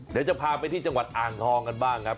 เดี๋ยวจะพาไปที่จังหวัดอ่างทองกันบ้างครับ